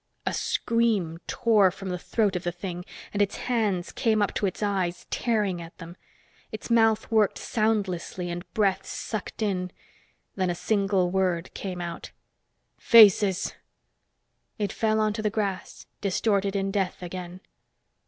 A scream tore from the throat of the thing, and its hands came up to its eyes, tearing at them. Its mouth worked soundlessly, and breath sucked in. Then a single word came out. "Faces!" It fell onto the grass, distorted in death again.